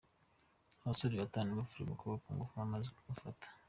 Abasore batanu bafashe umukobwa ku ngufu bamaze gufatwa